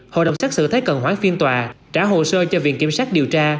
hội đồng xét xử thấy cần hoãn phiên tòa trả hồ sơ cho viện kiểm sát điều tra